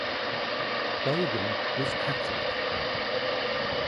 Bogan was Catholic.